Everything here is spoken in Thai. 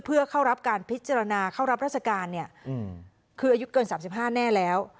เพื่อเข้ารับการพิจารณาเข้ารับราชการเนี่ยคืออายุเกิน๓๕แน่แล้ว